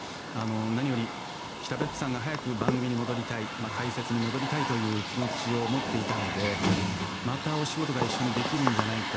何より、北別府さんが早く番組に戻りたい解説に戻りたいという気持ちを持っていたのでまたお仕事が一緒にできるんじゃないか。